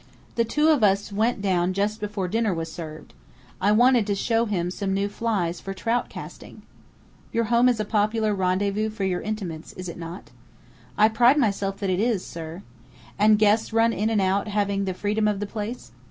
"The two of us went down just before dinner was served. I wanted to show him some new flies for trout casting." "Your home is a popular rendezvous for your intimates, is it not?" "I pride myself that it is, sir!" "And guests run in and out, having the freedom of the place?"